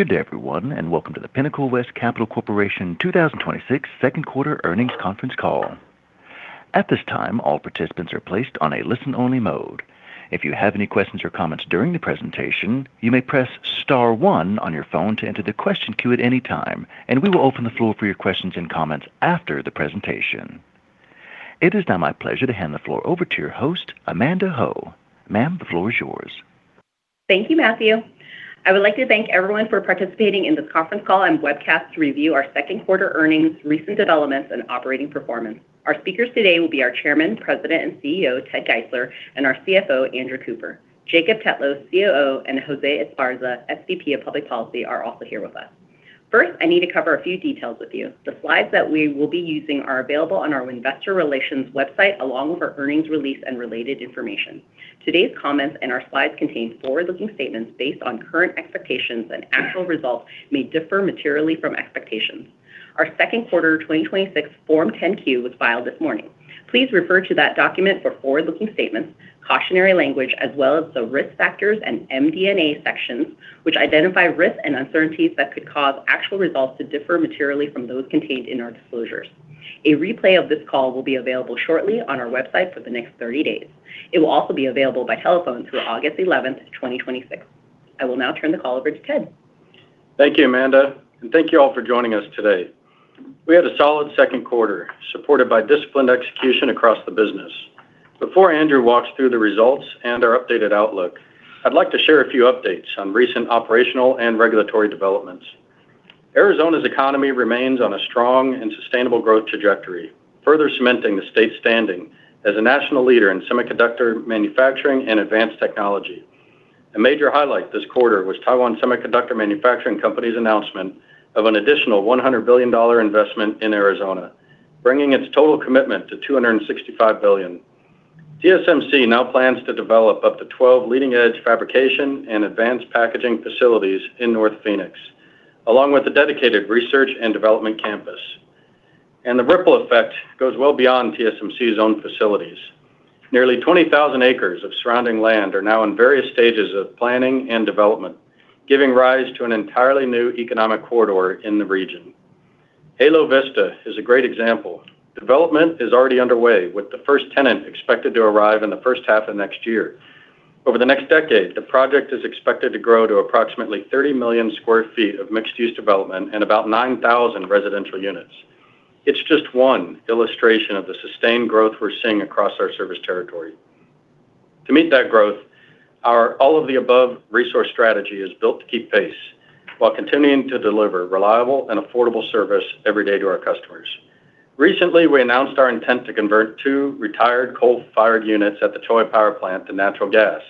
Good day everyone. Welcome to the Pinnacle West Capital Corporation 2026 second quarter earnings conference call. At this time, all participants are placed on a listen-only mode. If you have any questions or comments during the presentation, you may press star one on your phone to enter the question queue at any time. We will open the floor for your questions and comments after the presentation. It is now my pleasure to hand the floor over to your host, Amanda Ho. Ma'am, the floor is yours. Thank you, Matthew. I would like to thank everyone for participating in this conference call and webcast to review our second quarter earnings, recent developments, and operating performance. Our speakers today will be our Chairman, President, and Chief Executive Officer, Ted Geisler, and our Chief Financial Officer, Andrew Cooper. Jacob Tetlow, Chief Operating Officer, and Jose Esparza, SVP of Public Policy, are also here with us. First, I need to cover a few details with you. The slides that we will be using are available on our investor relations website, along with our earnings release and related information. Today's comments and our slides contain forward-looking statements based on current expectations and actual results may differ materially from expectations. Our second quarter 2026 Form 10-Q was filed this morning. Please refer to that document for forward-looking statements, cautionary language, as well as the risk factors and MD&A sections, which identify risks and uncertainties that could cause actual results to differ materially from those contained in our disclosures. A replay of this call will be available shortly on our website for the next 30 days. It will also be available by telephone through August 11th, 2026. I will now turn the call over to Ted. Thank you, Amanda. Thank you all for joining us today. We had a solid second quarter supported by disciplined execution across the business. Before Andrew walks through the results and our updated outlook, I'd like to share a few updates on recent operational and regulatory developments. Arizona's economy remains on a strong and sustainable growth trajectory, further cementing the state's standing as a national leader in semiconductor manufacturing and advanced technology. A major highlight this quarter was Taiwan Semiconductor Manufacturing Company's announcement of an additional $100 billion investment in Arizona, bringing its total commitment to $265 billion. TSMC now plans to develop up to 12 leading-edge fabrication and advanced packaging facilities in North Phoenix, along with a dedicated research and development campus. The ripple effect goes well beyond TSMC's own facilities. Nearly 20,000 acres of surrounding land are now in various stages of planning and development, giving rise to an entirely new economic corridor in the region. Halo Vista is a great example. Development is already underway with the first tenant expected to arrive in the first half of next year. Over the next decade, the project is expected to grow to approximately 30 million sq ft of mixed-use development and about 9,000 residential units. It's just one illustration of the sustained growth we're seeing across our service territory. To meet that growth, our all-of-the-above resource strategy is built to keep pace while continuing to deliver reliable and affordable service every day to our customers. Recently, we announced our intent to convert two retired coal-fired units at the Cholla power plant to natural gas.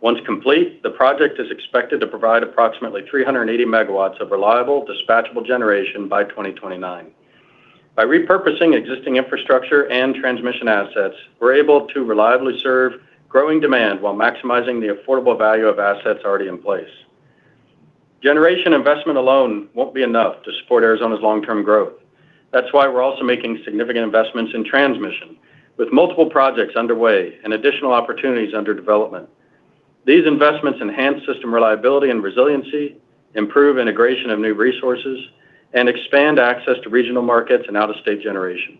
Once complete, the project is expected to provide approximately 380 MW of reliable dispatchable generation by 2029. By repurposing existing infrastructure and transmission assets, we're able to reliably serve growing demand while maximizing the affordable value of assets already in place. Generation investment alone won't be enough to support Arizona's long-term growth. That's why we're also making significant investments in transmission, with multiple projects underway and additional opportunities under development. These investments enhance system reliability and resiliency, improve integration of new resources, and expand access to regional markets and out-of-state generation.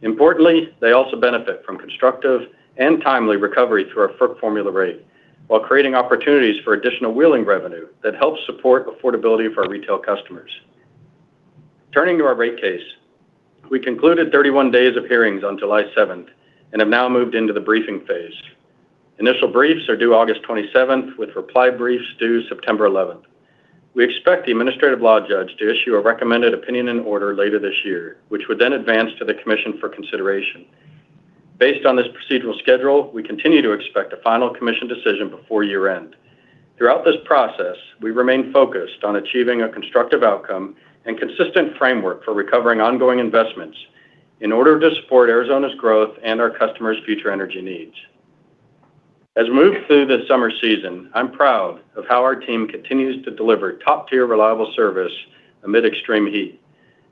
Importantly, they also benefit from constructive and timely recovery through our FERC formula rate while creating opportunities for additional wheeling revenue that helps support affordability for our retail customers. Turning to our rate case, we concluded 31 days of hearings on July 7th and have now moved into the briefing phase. Initial briefs are due August 27th with reply briefs due September 11th. We expect the administrative law judge to issue a recommended opinion and order later this year, which would then advance to the commission for consideration. Based on this procedural schedule, we continue to expect a final commission decision before year-end. Throughout this process, we remain focused on achieving a constructive outcome and consistent framework for recovering ongoing investments in order to support Arizona's growth and our customers' future energy needs. As we move through the summer season, I'm proud of how our team continues to deliver top-tier reliable service amid extreme heat.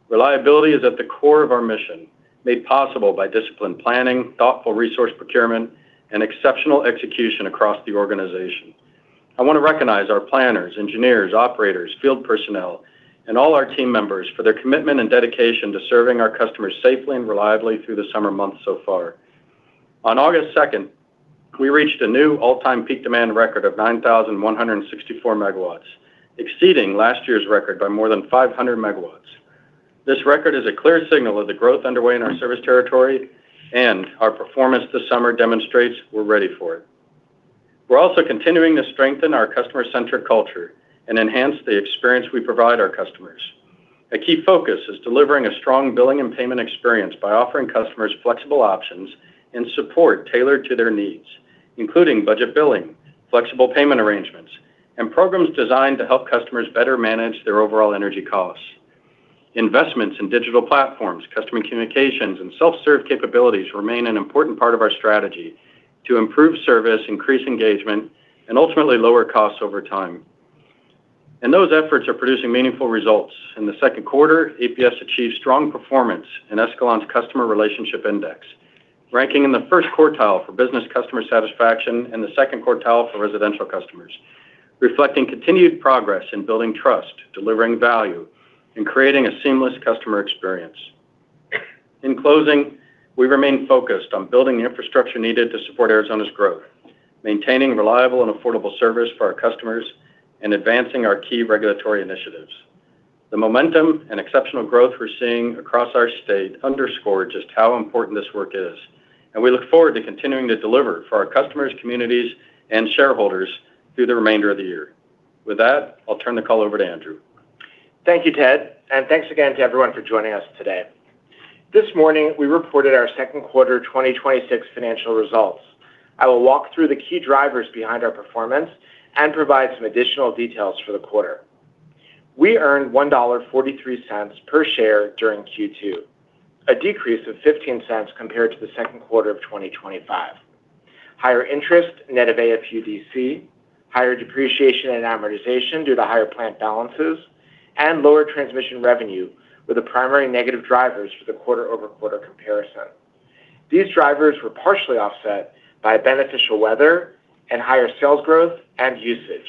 Reliability is at the core of our mission, made possible by disciplined planning, thoughtful resource procurement, and exceptional execution across the organization. I want to recognize our planners, engineers, operators, field personnel, and all our team members for their commitment and dedication to serving our customers safely and reliably through the summer months so far. On August 2nd, we reached a new all-time peak demand record of 9,164 MW, exceeding last year's record by more than 500 MW. This record is a clear signal of the growth underway in our service territory, and our performance this summer demonstrates we're ready for it. We're also continuing to strengthen our customer-centric culture and enhance the experience we provide our customers. A key focus is delivering a strong billing and payment experience by offering customers flexible options and support tailored to their needs, including budget billing, flexible payment arrangements, and programs designed to help customers better manage their overall energy costs. Investments in digital platforms, customer communications, and self-serve capabilities remain an important part of our strategy to improve service, increase engagement, and ultimately lower costs over time. And those efforts are producing meaningful results. In the second quarter, APS achieved strong performance in Escalent's customer relationship index ranking in the first quartile for business customer satisfaction and the second quartile for residential customers, reflecting continued progress in building trust, delivering value, and creating a seamless customer experience. In closing, we remain focused on building the infrastructure needed to support Arizona's growth, maintaining reliable and affordable service for our customers, and advancing our key regulatory initiatives. The momentum and exceptional growth we're seeing across our state underscore just how important this work is. We look forward to continuing to deliver for our customers, communities, and shareholders through the remainder of the year. With that, I'll turn the call over to Andrew. Thank you, Ted, thanks again to everyone for joining us today. This morning, we reported our second quarter 2026 financial results. I will walk through the key drivers behind our performance and provide some additional details for the quarter. We earned $1.43 per share during Q2, a decrease of $0.15 compared to the second quarter of 2025. Higher interest net of AFUDC, higher depreciation and amortization due to higher plant balances, and lower transmission revenue were the primary negative drivers for the quarter-over-quarter comparison. These drivers were partially offset by beneficial weather and higher sales growth and usage.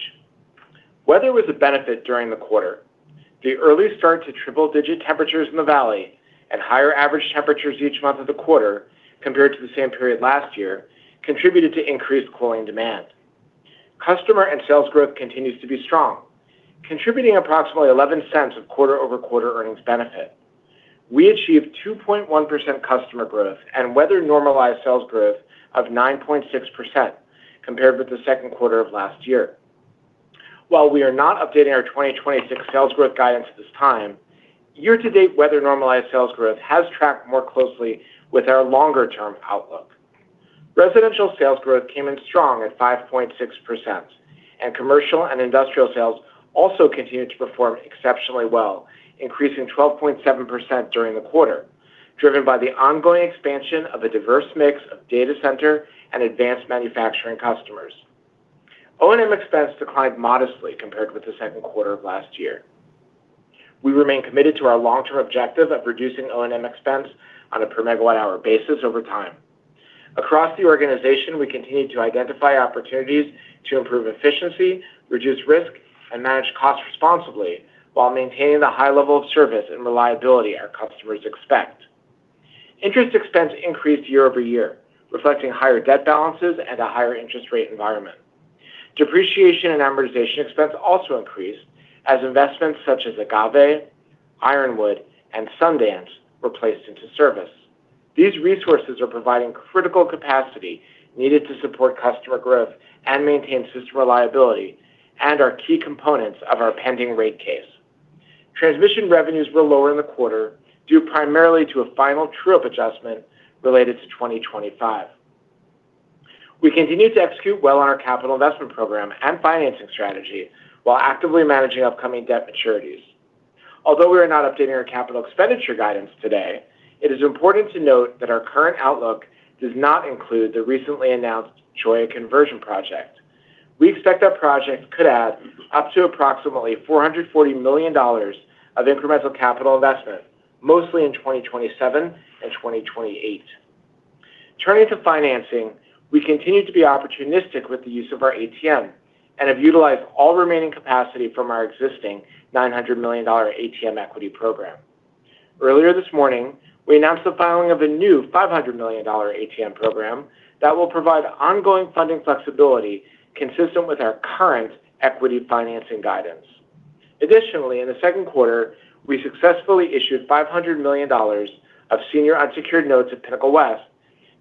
Weather was a benefit during the quarter. The early start to triple-digit temperatures in the valley and higher average temperatures each month of the quarter compared to the same period last year contributed to increased cooling demand. Customer and sales growth continues to be strong, contributing approximately $0.11 of quarter-over-quarter earnings benefit. We achieved 2.1% customer growth and weather-normalized sales growth of 9.6% compared with the second quarter of last year. While we are not updating our 2026 sales growth guidance at this time, year-to-date weather-normalized sales growth has tracked more closely with our longer-term outlook. Residential sales growth came in strong at 5.6%. Commercial and industrial sales also continued to perform exceptionally well, increasing 12.7% during the quarter, driven by the ongoing expansion of a diverse mix of data center and advanced manufacturing customers. O&M expense declined modestly compared with the second quarter of last year. We remain committed to our long-term objective of reducing O&M expense on a per megawatt hour basis over time. Across the organization, we continue to identify opportunities to improve efficiency, reduce risk, and manage costs responsibly while maintaining the high level of service and reliability our customers expect. Interest expense increased year-over-year, reflecting higher debt balances and a higher interest rate environment. Depreciation and amortization expense also increased as investments such as Agave, Ironwood, and Sundance were placed into service. These resources are providing critical capacity needed to support customer growth and maintain system reliability and are key components of our pending rate case. Transmission revenues were lower in the quarter due primarily to a final true-up adjustment related to 2025. We continue to execute well on our capital investment program and financing strategy while actively managing upcoming debt maturities. Although we are not updating our capital expenditure guidance today, it is important to note that our current outlook does not include the recently announced Cholla conversion project. We expect that project could add up to approximately $440 million of incremental capital investment, mostly in 2027 and 2028. Turning to financing, we continue to be opportunistic with the use of our ATM and have utilized all remaining capacity from our existing $900 million ATM equity program. Earlier this morning, we announced the filing of a new $500 million ATM program that will provide ongoing funding flexibility consistent with our current equity financing guidance. Additionally, in the second quarter, we successfully issued $500 million of senior unsecured notes at Pinnacle West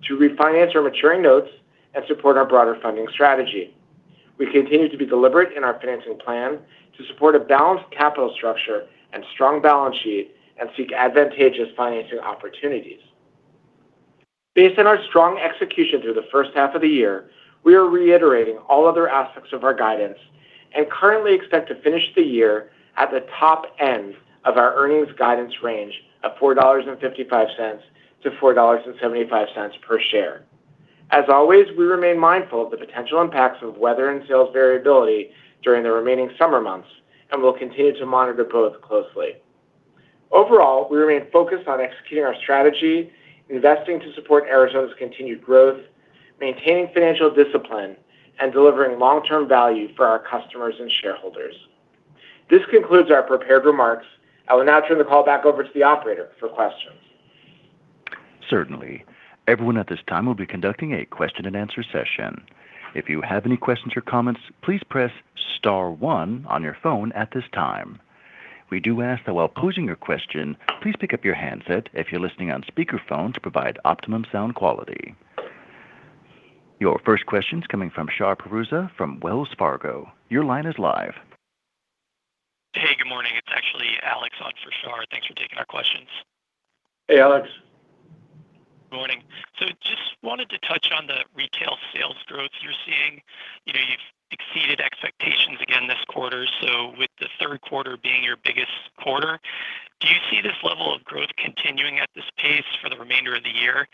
to refinance our maturing notes and support our broader funding strategy. We continue to be deliberate in our financing plan to support a balanced capital structure and strong balance sheet and seek advantageous financing opportunities. Based on our strong execution through the first half of the year, we are reiterating all other aspects of our guidance and currently expect to finish the year at the top end of our earnings guidance range of $4.55-$4.75 per share. As always, we remain mindful of the potential impacts of weather and sales variability during the remaining summer months and will continue to monitor both closely. Overall, we remain focused on executing our strategy, investing to support Arizona's continued growth, maintaining financial discipline, and delivering long-term value for our customers and shareholders. This concludes our prepared remarks. I will now turn the call back over to the operator for questions. Certainly. Everyone at this time will be conducting a question-and-answer session. If you have any questions or comments, please press *1 on your phone at this time. We do ask that while posing your question, please pick up your handset if you're listening on speakerphone to provide optimum sound quality. Your first question's coming from Shar Pourreza from Wells Fargo. Your line is live. Hey, good morning. It's actually Alexander on for Shar. Thanks for taking our questions. Hey, Alexander. Just wanted to touch on the retail sales growth you're seeing. You've exceeded expectations again this quarter. With the third quarter being your biggest quarter, do you see this level of growth continuing at this pace for the remainder of the year?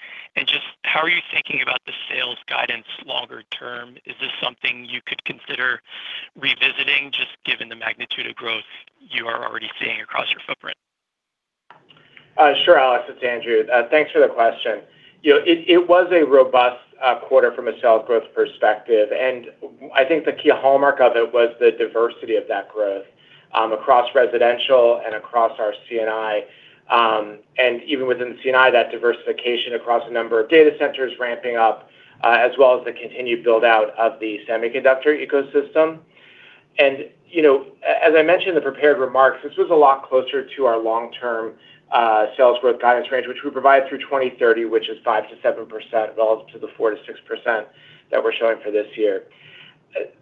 Just how are you thinking about the sales guidance longer term? Is this something you could consider revisiting, just given the magnitude of growth you are already seeing across your footprint. Sure, Alexander, it's Andrew. Thanks for the question. It was a robust quarter from a sales growth perspective, and I think the key hallmark of it was the diversity of that growth, across residential and across our C&I. Even within C&I, that diversification across a number of data centers ramping up, as well as the continued build-out of the semiconductor ecosystem. As I mentioned in the prepared remarks, this was a lot closer to our long-term sales growth guidance range, which we provide through 2030, which is 5%-7% relative to the 4%-6% that we're showing for this year.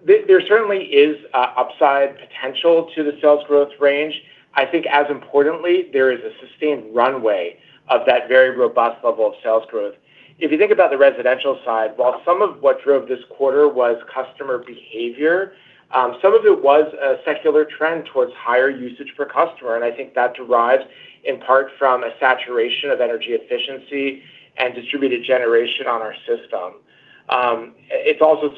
There certainly is upside potential to the sales growth range. I think as importantly, there is a sustained runway of that very robust level of sales growth. If you think about the residential side, while some of what drove this quarter was customer behavior, some of it was a secular trend towards higher usage per customer. I think that derives in part from a saturation of energy efficiency and distributed generation on our system. It's also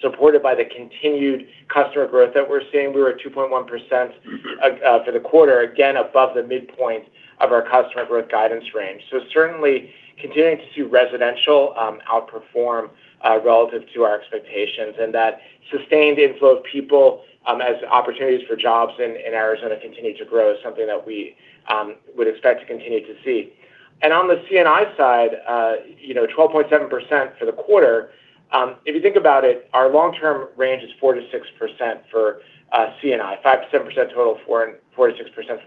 supported by the continued customer growth that we're seeing. We were at 2.1% for the quarter, again, above the midpoint of our customer growth guidance range. Certainly continuing to see residential outperform relative to our expectations. That sustained inflow of people as opportunities for jobs in Arizona continue to grow is something that we would expect to continue to see. On the C&I side, 12.7% for the quarter. If you think about it, our long-term range is 4%-6% for C&I, 5%-7% total, 4%-6% for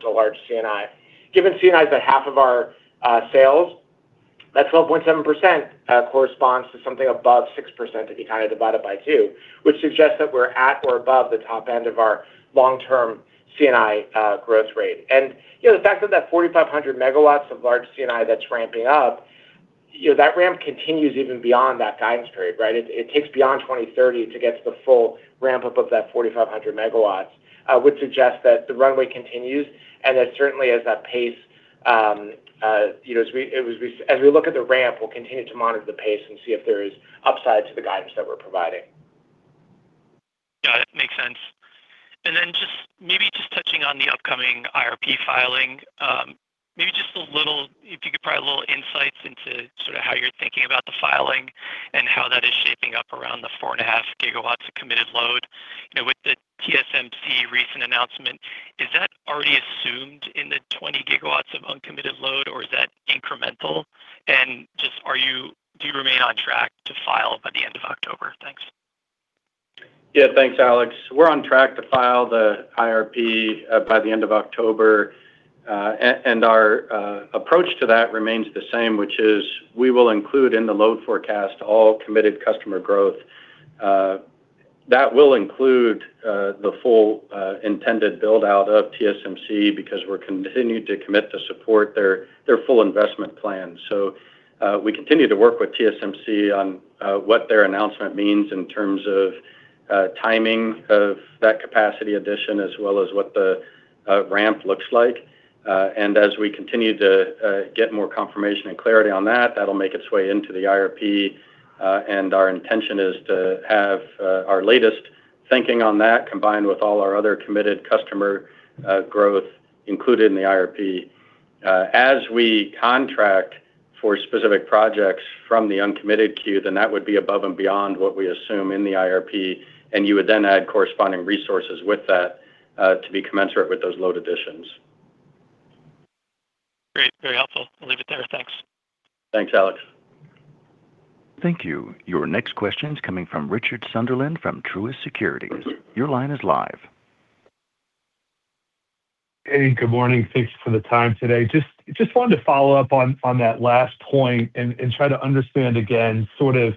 the large C&I. Given C&I is at half of our sales, that 12.7% corresponds to something above 6% if you kind of divide it by two, which suggests that we're at or above the top end of our long-term C&I growth rate. The fact that that 4,500 MW of large C&I that's ramping up, that ramp continues even beyond that guidance period, right? It takes beyond 2030 to get to the full ramp-up of that 4,500 MW, would suggest that the runway continues, and that certainly as we look at the ramp, we'll continue to monitor the pace and see if there is upside to the guidance that we're providing. Got it. Makes sense. Maybe just touching on the upcoming IRP filing. Maybe just if you could provide little insights into how you're thinking about the filing and how that is shaping up around the 4.5 GW of committed load. With the TSMC recent announcement, is that already assumed in the 20 GW of uncommitted load, or is that incremental? Do you remain on track to file by the end of October? Thanks. Yeah. Thanks, Alex. We're on track to file the IRP by the end of October. Our approach to that remains the same, which is we will include in the load forecast all committed customer growth. That will include the full intended build-out of TSMC because we're continuing to commit to support their full investment plan. We continue to work with TSMC on what their announcement means in terms of timing of that capacity addition, as well as what the ramp looks like. As we continue to get more confirmation and clarity on that'll make its way into the IRP. Our intention is to have our latest thinking on that, combined with all our other committed customer growth included in the IRP. We contract for specific projects from the uncommitted queue, that would be above and beyond what we assume in the IRP, and you would then add corresponding resources with that to be commensurate with those load additions. Great. Very helpful. I'll leave it there. Thanks. Thanks, Alexander. Thank you. Your next question's coming from Richard Sunderland from Truist Securities. Your line is live. Hey, good morning. Thanks for the time today. Just wanted to follow up on that last point and try to understand again, sort of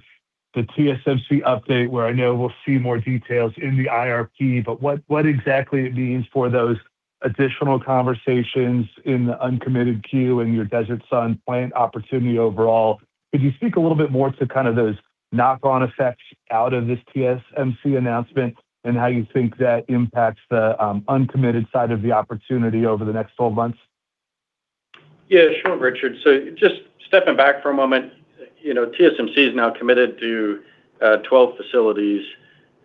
the TSMC update, where I know we'll see more details in the IRP, but what exactly it means for those additional conversations in the uncommitted queue and your Desert Sun plant opportunity overall. Could you speak a little bit more to kind of those knock-on effects out of this TSMC announcement and how you think that impacts the uncommitted side of the opportunity over the next 12 months? Yeah, sure, Richard. Just stepping back for a moment, TSMC is now committed to 12 facilities.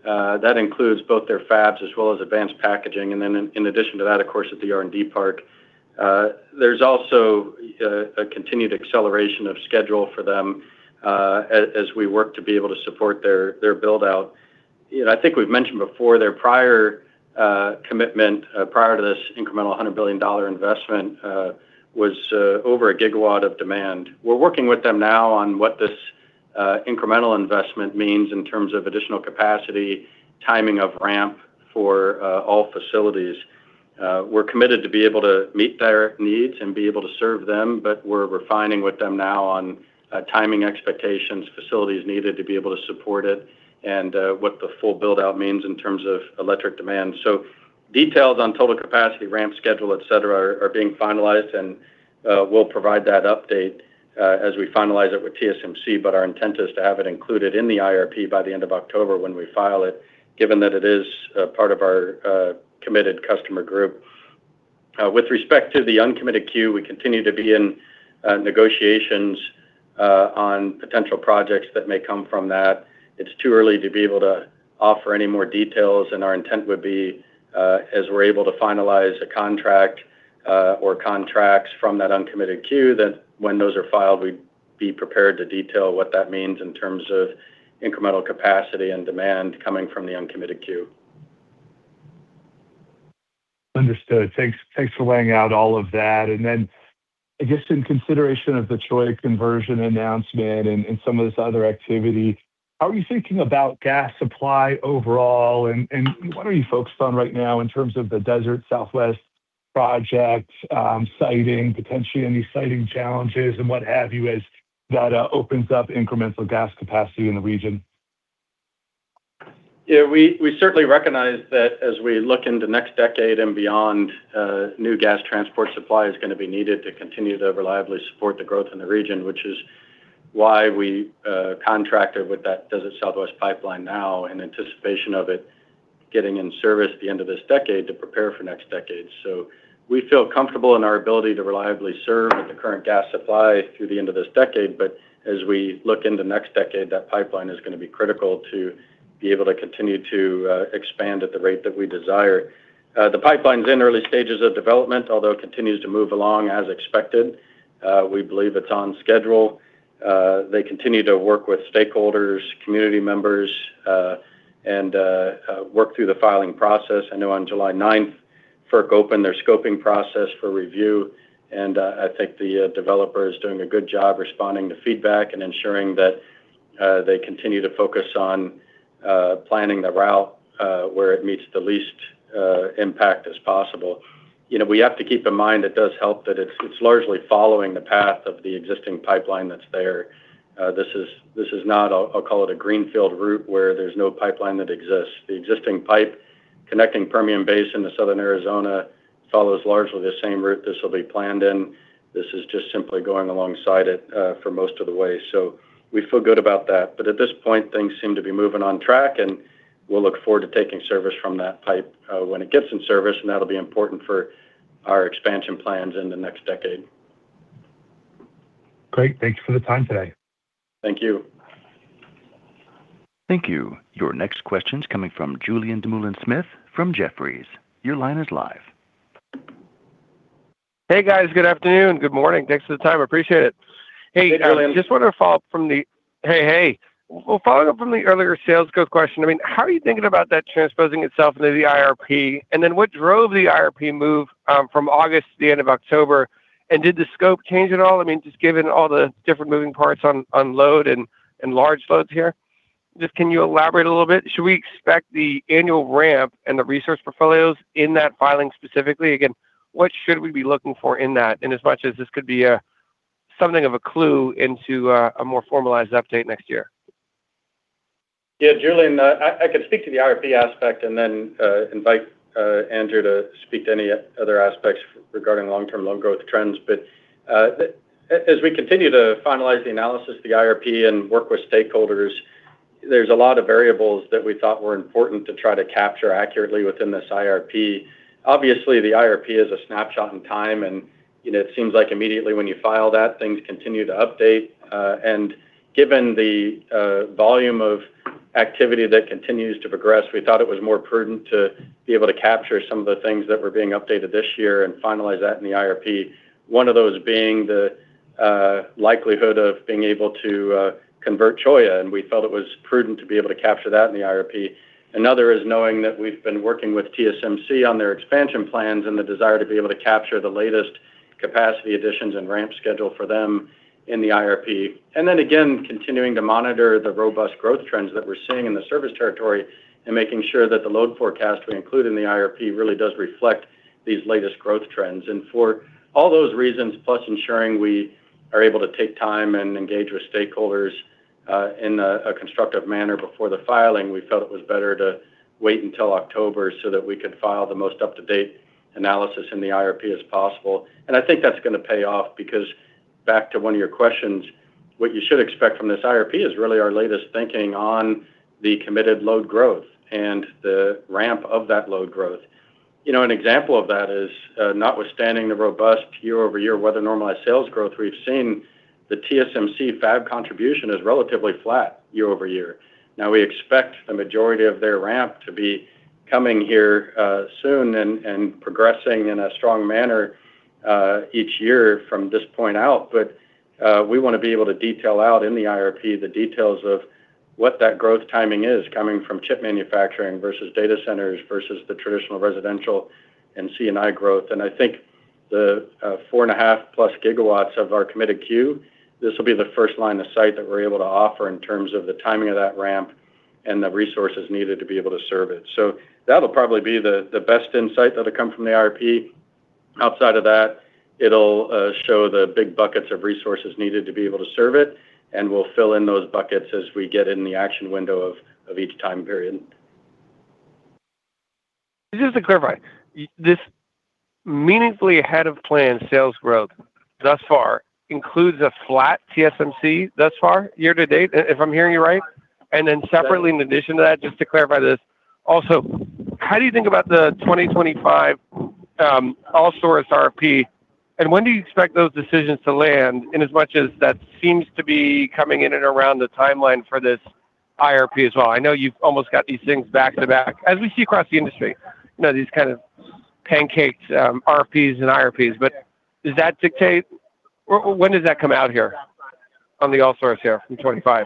That includes both their fabs as well as advanced packaging. In addition to that, of course, at the R&D park. There's also a continued acceleration of schedule for them as we work to be able to support their build-out. I think we've mentioned before, their prior commitment prior to this incremental $100 billion investment was over a gigawatt of demand. We're working with them now on what this incremental investment means in terms of additional capacity, timing of ramp for all facilities. We're committed to be able to meet their needs and be able to serve them, but we're refining with them now on timing expectations, facilities needed to be able to support it, and what the full build-out means in terms of electric demand. Details on total capacity, ramp schedule, et cetera, are being finalized, and we'll provide that update as we finalize it with TSMC. Our intent is to have it included in the IRP by the end of October when we file it, given that it is part of our committed customer group. With respect to the uncommitted queue, we continue to be in negotiations on potential projects that may come from that. It's too early to be able to offer any more details, and our intent would be as we're able to finalize a contract or contracts from that uncommitted queue, that when those are filed, we'd be prepared to detail what that means in terms of incremental capacity and demand coming from the uncommitted queue. Understood. Thanks for laying out all of that. I guess in consideration of the Cholla conversion announcement and some of this other activity, how are you thinking about gas supply overall, and what are you focused on right now in terms of the Desert Southwest project, siting, potentially any siting challenges and what have you, as that opens up incremental gas capacity in the region? We certainly recognize that as we look in the next decade and beyond, new gas transport supply is going to be needed to continue to reliably support the growth in the region, which is why we contracted with that Desert Southwest pipeline now in anticipation of it getting in service at the end of this decade to prepare for next decade. We feel comfortable in our ability to reliably serve with the current gas supply through the end of this decade. As we look in the next decade, that pipeline is going to be critical to be able to continue to expand at the rate that we desire. The pipeline's in early stages of development, although it continues to move along as expected. We believe it's on schedule. They continue to work with stakeholders, community members, and work through the filing process. I know on July 9th, FERC opened their scoping process for review, I think the developer is doing a good job responding to feedback and ensuring that they continue to focus on planning the route, where it meets the least impact as possible. We have to keep in mind, it does help that it's largely following the path of the existing pipeline that's there. This is not, I'll call it a greenfield route where there's no pipeline that exists. The existing pipe connecting Permian Basin to southern Arizona follows largely the same route this will be planned in. This is just simply going alongside it for most of the way. We feel good about that. At this point, things seem to be moving on track, and we'll look forward to taking service from that pipe when it gets in service, and that'll be important for our expansion plans in the next decade. Great. Thank you for the time today. Thank you. Thank you. Your next question's coming from Julien Dumoulin-Smith from Jefferies. Your line is live. Hey, guys. Good afternoon. Good morning. Thanks for the time. I appreciate it. Hey, Julien. Hey, hey. Well, following up from the earlier sales growth question, how are you thinking about that transposing itself into the IRP? What drove the IRP move from August to the end of October? Did the scope change at all? Just given all the different moving parts on load and large loads here, can you elaborate a little bit? Should we expect the annual ramp and the resource portfolios in that filing specifically? What should we be looking for in that? In as much as this could be something of a clue into a more formalized update next year. Yeah, Julien. I can speak to the IRP aspect. I invite Andrew to speak to any other aspects regarding long-term load growth trends. As we continue to finalize the analysis of the IRP and work with stakeholders, there's a lot of variables that we thought were important to try to capture accurately within this IRP. Obviously, the IRP is a snapshot in time, and it seems like immediately when you file that, things continue to update. Given the volume of activity that continues to progress, we thought it was more prudent to be able to capture some of the things that were being updated this year and finalize that in the IRP. One of those being the likelihood of being able to convert Cholla, and we felt it was prudent to be able to capture that in the IRP. Another is knowing that we've been working with TSMC on their expansion plans and the desire to be able to capture the latest capacity additions and ramp schedule for them in the IRP. Continuing to monitor the robust growth trends that we're seeing in the service territory and making sure that the load forecast we include in the IRP really does reflect these latest growth trends. For all those reasons, plus ensuring we are able to take time and engage with stakeholders in a constructive manner before the filing, we felt it was better to wait until October so that we could file the most up-to-date analysis in the IRP as possible. That is going to pay off because, back to one of your questions, what you should expect from this IRP is really our latest thinking on the committed load growth and the ramp of that load growth. An example of that is, notwithstanding the robust year-over-year weather normalized sales growth we've seen, the TSMC fab contribution is relatively flat year-over-year. We expect the majority of their ramp to be coming here soon and progressing in a strong manner each year from this point out. We want to be able to detail out in the IRP the details of what that growth timing is coming from chip manufacturing versus data centers versus the traditional residential and C&I growth. I think the 4.5 GW of our committed queue, this will be the first line of sight that we're able to offer in terms of the timing of that ramp and the resources needed to be able to serve it. That'll probably be the best insight that'll come from the IRP. Outside of that, it'll show the big buckets of resources needed to be able to serve it, and we'll fill in those buckets as we get in the action window of each time period. Just to clarify, this meaningfully ahead of planned sales growth Thus far includes a flat TSMC thus far year-to-date, if I'm hearing you right? Separately, in addition to that, just to clarify this also, how do you think about the 2025 All-Source RFP, and when do you expect those decisions to land in as much as that seems to be coming in and around the timeline for this IRP as well? I know you've almost got these things back-to-back, as we see across the industry. These kind of pancaked RFPs and IRPs. Does that dictate or when does that come out here on the All Source here from 2025?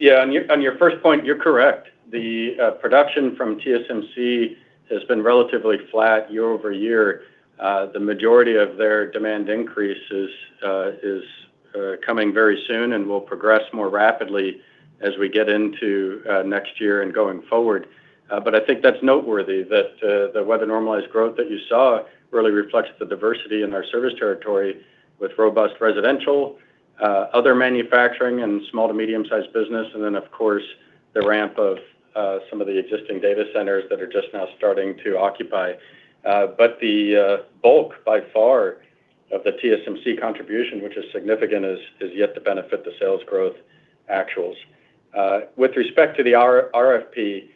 Yeah. On your first point, you're correct. The production from TSMC has been relatively flat year-over-year. The majority of their demand increase is coming very soon and will progress more rapidly as we get into next year and going forward. I think that's noteworthy that the weather normalized growth that you saw really reflects the diversity in our service territory with robust residential, other manufacturing, and small-to-medium-sized business. Then, of course, the ramp of some of the existing data centers that are just now starting to occupy. The bulk, by far, of the TSMC contribution, which is significant, is yet to benefit the sales growth actuals. With respect to the RFP,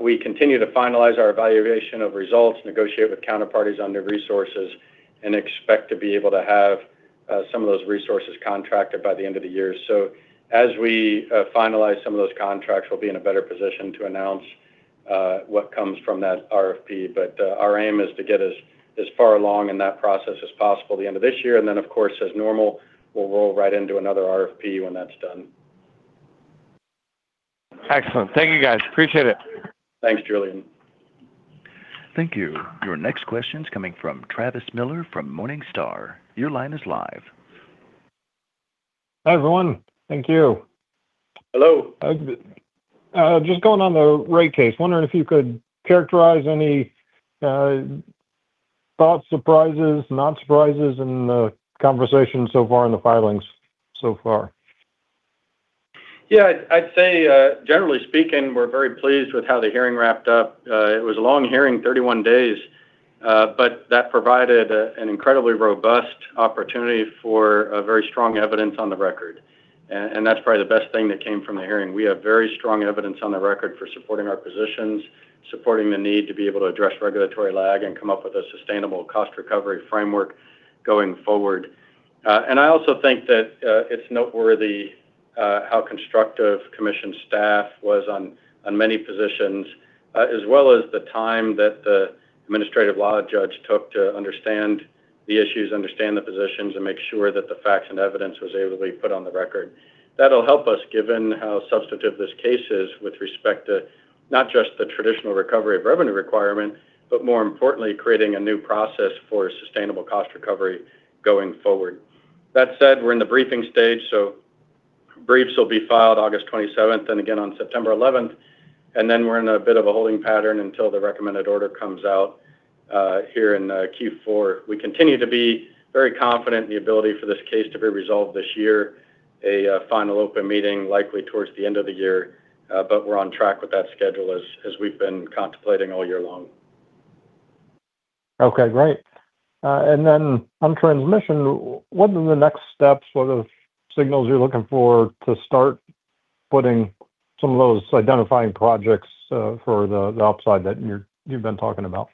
we continue to finalize our evaluation of results, negotiate with counterparties on their resources, and expect to be able to have some of those resources contracted by the end of the year. As we finalize some of those contracts, we'll be in a better position to announce what comes from that RFP. Our aim is to get as far along in that process as possible at the end of this year. Of course, as normal, we'll roll right into another RFP when that's done. Excellent. Thank you, guys. Appreciate it. Thanks, Julien. Thank you. Your next question's coming from Travis Miller from Morningstar. Your line is live. Hi, everyone. Thank you. Hello. Just going on the rate case, wondering if you could characterize any thoughts, surprises, non-surprises in the conversation so far in the filings so far. Yeah. I'd say, generally speaking, we're very pleased with how the hearing wrapped up. It was a long hearing, 31 days, but that provided an incredibly robust opportunity for a very strong evidence on the record. That's probably the best thing that came from the hearing. We have very strong evidence on the record for supporting our positions, supporting the need to be able to address regulatory lag and come up with a sustainable cost recovery framework going forward. I also think that it's noteworthy how constructive commission staff was on many positions, as well as the time that the administrative law judge took to understand the issues, understand the positions, and make sure that the facts and evidence was ably put on the record. That'll help us given how substantive this case is with respect to not just the traditional recovery of revenue requirement, but more importantly, creating a new process for sustainable cost recovery going forward. That said, we're in the briefing stage. Briefs will be filed August 27th and again on September 11th, and then we're in a bit of a holding pattern until the recommended order comes out here in Q4. We continue to be very confident in the ability for this case to be resolved this year. A final open meeting likely towards the end of the year, but we're on track with that schedule as we've been contemplating all year long. Okay, great. Then on transmission, what are the next steps? What are the signals you're looking for to start putting some of those identifying projects for the upside that you've been talking about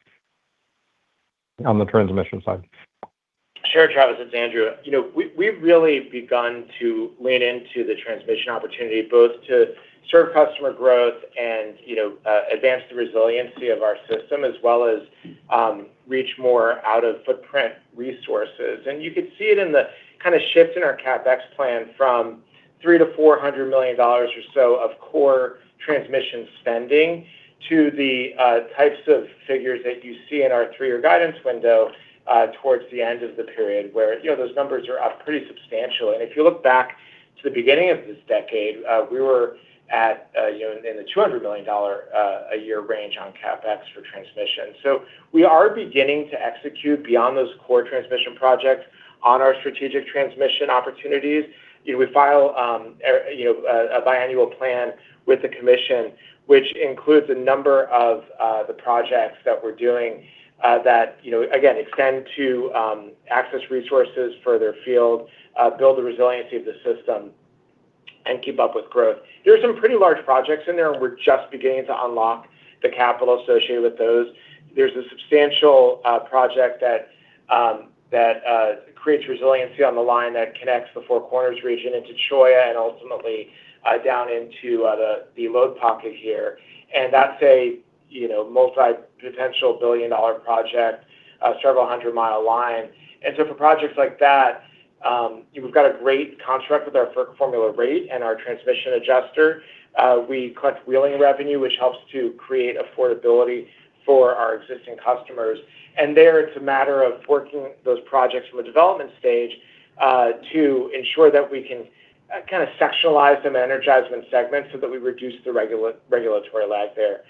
on the transmission side? Sure, Travis, it's Andrew. We've really begun to lean into the transmission opportunity, both to serve customer growth and advance the resiliency of our system, as well as reach more out-of-footprint resources. You could see it in the kind of shift in our CapEx plan from $300 million-$400 million or so of core transmission spending to the types of figures that you see in our three-year guidance window towards the end of the period, where those numbers are up pretty substantially. If you look back to the beginning of this decade, we were in the $200 million a year range on CapEx for transmission. We are beginning to execute beyond those core transmission projects on our strategic transmission opportunities. We file a biannual plan with the Commission, which includes a number of the projects that we're doing that, again, extend to access resources further field, build the resiliency of the system, and keep up with growth. There are some pretty large projects in there, and we're just beginning to unlock the capital associated with those. There's a substantial project that creates resiliency on the line that connects the Four Corners region into Cholla and ultimately down into the load pocket here. That's a multi-potential billion-dollar project, several 100-mi line. For projects like that, we've got a great construct with our FERC formula rate and our transmission adjuster. We collect wheeling revenue, which helps to create affordability for our existing customers. There, it's a matter of working those projects from a development stage to ensure that we can kind of sectionalize them, energize them in segments so that we reduce the regulatory lag there.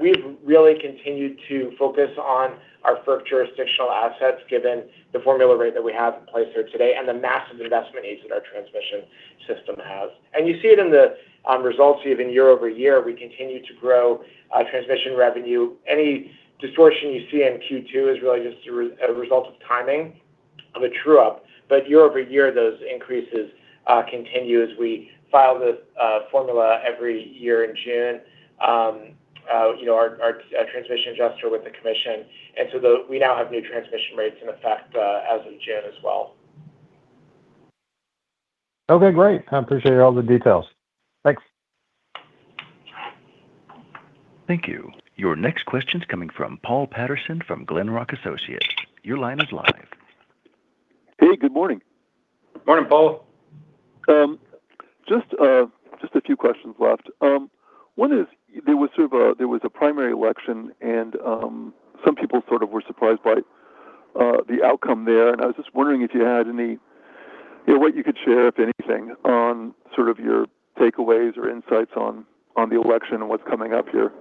We've really continued to focus on our FERC jurisdictional assets, given the formula rate that we have in place there today and the massive investment needs that our transmission system has. You see it in the results even year-over-year. We continue to grow transmission revenue. Any distortion you see in Q2 is really just as a result of timing. of a true-up. Year-over-year, those increases continue as we file this formula every year in June, our transmission adjuster with the Commission. We now have new transmission rates in effect as of June as well. Okay, great. I appreciate all the details. Thanks. Thank you. Your next question's coming from Paul Patterson from Glenrock Associates. Your line is live. Hey, good morning. Morning, Paul. Just a few questions left. One is, there was a primary election and some people sort of were surprised by the outcome there. I was just wondering if you had any, what you could share, if anything, on sort of your takeaways or insights on the election and what's coming up here.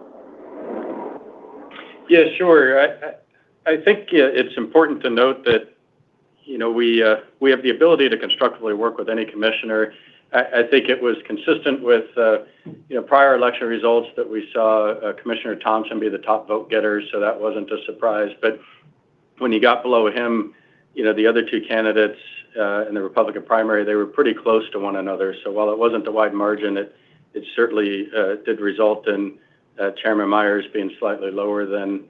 Yeah, sure. I think it's important to note that we have the ability to constructively work with any commissioner. I think it was consistent with prior election results that we saw Commissioner Thompson be the top vote-getter, that wasn't a surprise. When you got below him, the other two candidates in the Republican primary, they were pretty close to one another. While it wasn't a wide margin, it certainly did result in Chairman Myers being slightly lower than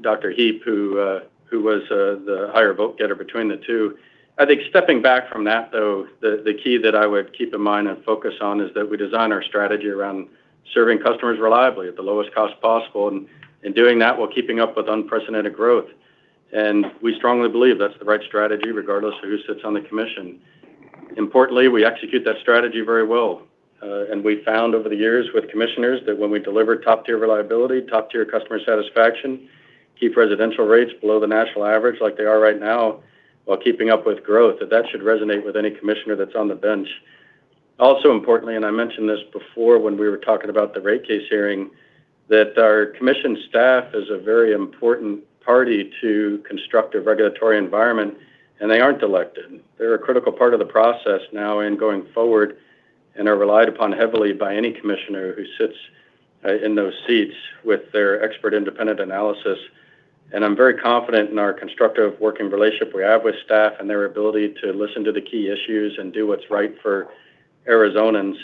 Dr. Heep, who was the higher vote-getter between the two. I think stepping back from that, though, the key that I would keep in mind and focus on is that we design our strategy around serving customers reliably at the lowest cost possible, and doing that while keeping up with unprecedented growth. We strongly believe that's the right strategy, regardless of who sits on the commission. Importantly, we execute that strategy very well. We've found over the years with commissioners that when we deliver top-tier reliability, top-tier customer satisfaction, keep residential rates below the national average like they are right now, while keeping up with growth, that that should resonate with any commissioner that's on the bench. Also importantly, and I mentioned this before when we were talking about the rate case hearing, that our commission staff is a very important party to constructive regulatory environment, and they aren't elected. They're a critical part of the process now and going forward, and are relied upon heavily by any commissioner who sits in those seats with their expert independent analysis. I'm very confident in our constructive working relationship we have with staff and their ability to listen to the key issues and do what's right for Arizonans.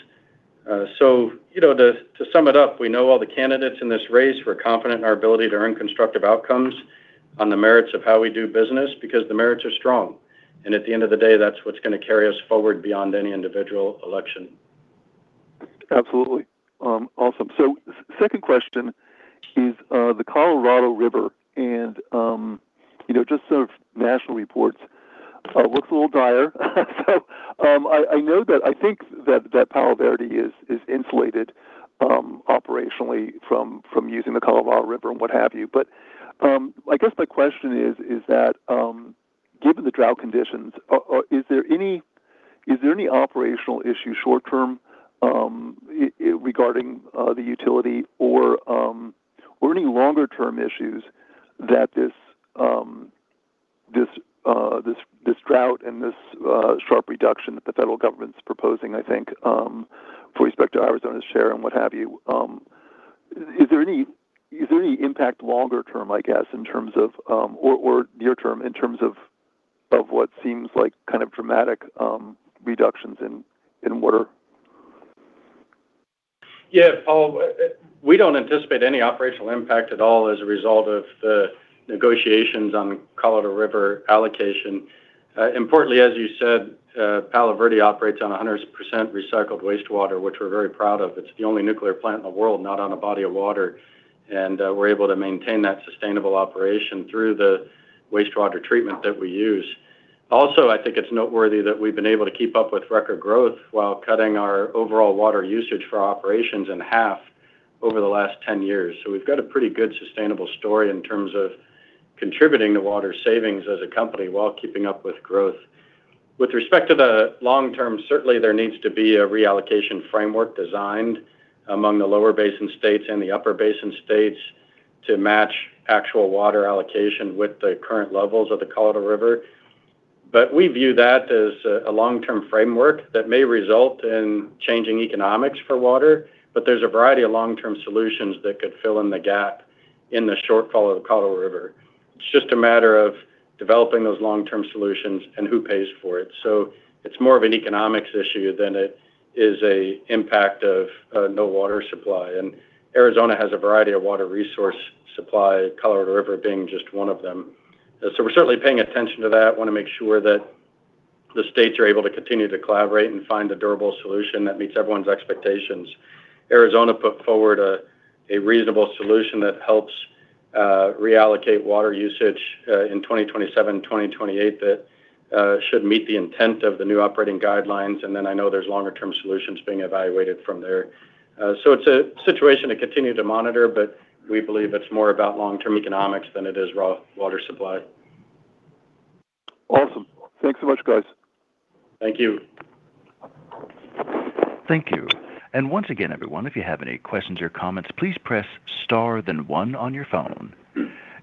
To sum it up, we know all the candidates in this race. We're confident in our ability to earn constructive outcomes on the merits of how we do business because the merits are strong. At the end of the day, that's what's going to carry us forward beyond any individual election. Absolutely. Awesome. Second question is the Colorado River and just sort of national reports looks a little dire. I think that Palo Verde is insulated operationally from using the Colorado River and what have you. I guess my question is that given the drought conditions, is there any operational issue short-term regarding the utility or any longer-term issues that this drought and this sharp reduction that the federal government's proposing, I think, with respect to Arizona's share and what have you? Is there any impact longer term, I guess, or near term, in terms of what seems like dramatic reductions in water? Yeah, Paul, we don't anticipate any operational impact at all as a result of the negotiations on the Colorado River allocation. Importantly, as you said, Palo Verde operates on 100% recycled wastewater, which we're very proud of. It's the only nuclear plant in the world not on a body of water. We're able to maintain that sustainable operation through the wastewater treatment that we use. Also, I think it's noteworthy that we've been able to keep up with record growth while cutting our overall water usage for operations in half over the last 10 years. We've got a pretty good sustainable story in terms of contributing to water savings as a company while keeping up with growth. With respect to the long term, certainly there needs to be a reallocation framework designed among the lower basin states and the upper basin states to match actual water allocation with the current levels of the Colorado River. We view that as a long-term framework that may result in changing economics for water, but there's a variety of long-term solutions that could fill in the gap in the shortfall of the Colorado River. It's just a matter of developing those long-term solutions and who pays for it. It's more of an economics issue than it is an impact of no water supply. Arizona has a variety of water resource supply, Colorado River being just one of them. We're certainly paying attention to that, want to make sure that the states are able to continue to collaborate and find a durable solution that meets everyone's expectations. Arizona put forward a reasonable solution that helps reallocate water usage in 2027, 2028 that should meet the intent of the new operating guidelines. I know there's longer term solutions being evaluated from there. It's a situation to continue to monitor, but we believe it's more about long-term economics than it is water supply. Awesome. Thanks so much, guys. Thank you. Thank you. Once again, everyone, if you have any questions or comments, please press star then one on your phone.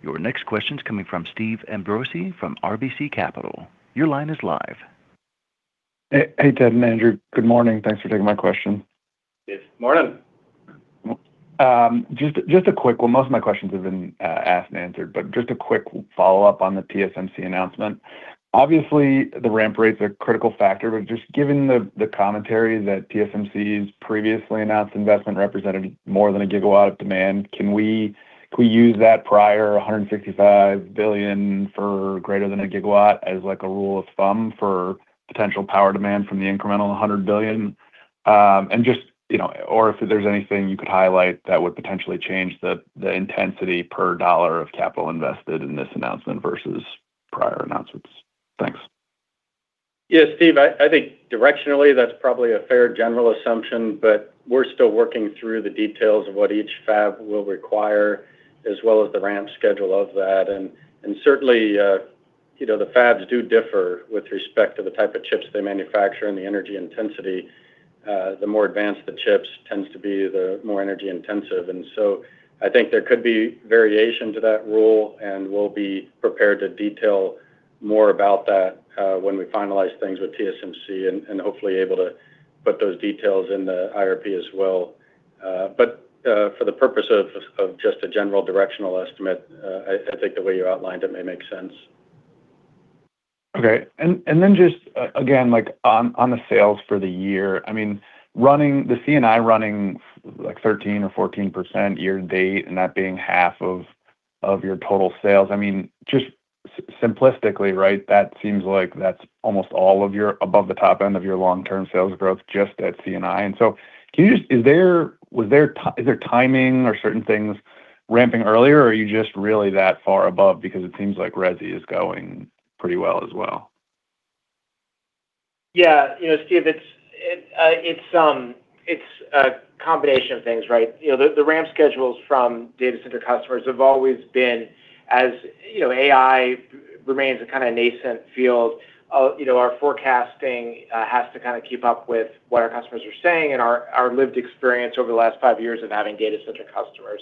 Your next question's coming from Stephen D'Ambrisi from RBC Capital Markets. Your line is live. Hey, Ted and Andrew. Good morning. Thanks for taking my question. Steve, morning. Most of my questions have been asked and answered, but just a quick follow-up on the TSMC announcement. Obviously, the ramp rates are a critical factor, but just given the commentary that TSMC's previously announced investment represented more than a gigawatt of demand, can we use that prior $165 billion for greater than 1 GW as a rule of thumb for potential power demand from the incremental $100 billion? If there's anything you could highlight that would potentially change the intensity per dollar of capital invested in this announcement versus prior announcements. Thanks. Yeah, Steve, I think directionally that's probably a fair general assumption, but we're still working through the details of what each fab will require, as well as the ramp schedule of that. Certainly, the fabs do differ with respect to the type of chips they manufacture and the energy intensity. The more advanced the chips tends to be, the more energy intensive. I think there could be variation to that rule, and we'll be prepared to detail more about that when we finalize things with TSMC and hopefully able to put those details in the IRP as well. For the purpose of just a general directional estimate, I think the way you outlined it may make sense. Okay. Just, again, on the sales for the year, the C&I running 13% or 14% year-to-date, and that being half of your total sales. Just simplistically, that seems like that's almost all of your above the top end of your long-term sales growth just at C&I. Is there timing or certain things ramping earlier, or are you just really that far above? Because it seems like resi is going pretty well as well. Yeah. Steve, it's a combination of things. The ramp schedules from data center customers have always been as AI remains a kind of nascent field. Our forecasting has to kind of keep up with what our customers are saying and our lived experience over the last five years of having data center customers.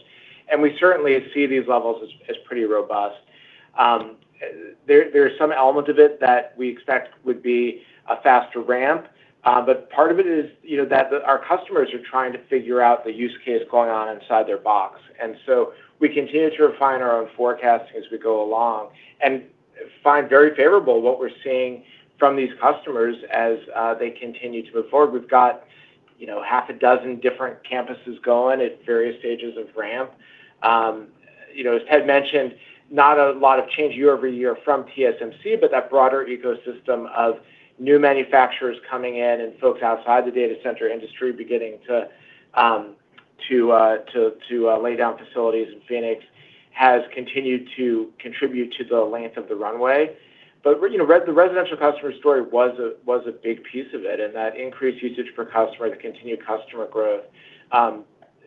We certainly see these levels as pretty robust. There's some element of it that we expect would be a faster ramp. Part of it is that our customers are trying to figure out the use case going on inside their box. We continue to refine our own forecasting as we go along and find very favorable what we're seeing from these customers as they continue to move forward. We've got half a dozen different campuses going at various stages of ramp. As Ted mentioned, not a lot of change year-over-year from TSMC, that broader ecosystem of new manufacturers coming in and folks outside the data center industry beginning to lay down facilities in Phoenix has continued to contribute to the length of the runway. The residential customer story was a big piece of it, that increased usage per customer, the continued customer growth.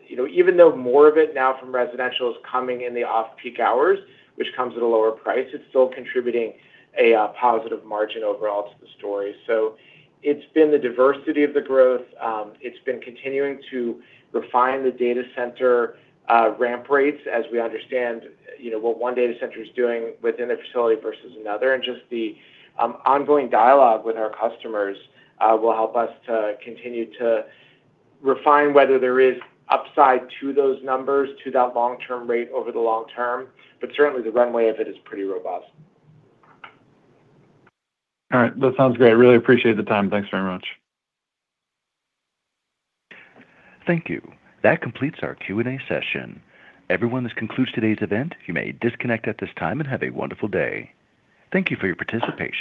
Even though more of it now from residential is coming in the off-peak hours, which comes at a lower price, it's still contributing a positive margin overall to the story. It's been the diversity of the growth. It's been continuing to refine the data center ramp rates as we understand what one data center is doing within a facility versus another. Just the ongoing dialogue with our customers will help us to continue to refine whether there is upside to those numbers, to that long-term rate over the long term. Certainly the runway of it is pretty robust. All right. That sounds great. Really appreciate the time. Thanks very much. Thank you. That completes our Q&A session. Everyone, this concludes today's event. You may disconnect at this time. Have a wonderful day. Thank you for your participation.